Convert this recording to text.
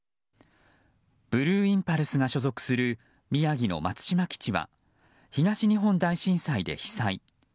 ブルーインパルスが所属する宮城の松島基地は東日本大震災で被災。